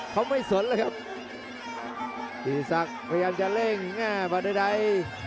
เขาไม่สนเลยครับกินที่สังพยายามจะเร่งมาด้วยใด